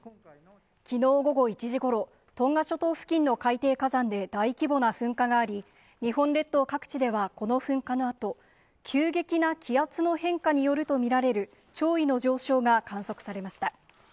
きのう午後１時ごろ、トンガ諸島付近の海底火山で大規模な噴火があり、日本列島各地ではこの噴火のあと、急激な気圧の変化によると見られる潮位の上昇が観測されました。